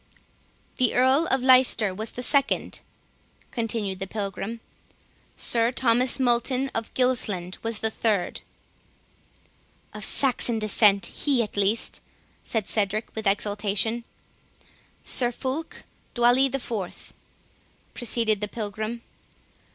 "The Earl of Leicester was the second," continued the Pilgrim; "Sir Thomas Multon of Gilsland was the third." "Of Saxon descent, he at least," said Cedric, with exultation. "Sir Foulk Doilly the fourth," proceeded the Pilgrim.